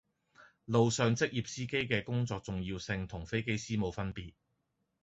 路上職業司機嘅工作重要性同飛機師冇分別